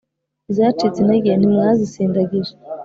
izacitse intege ntimwazisindagije